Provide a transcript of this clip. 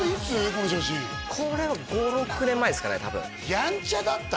この写真これは５６年前ですかね多分やんちゃだった？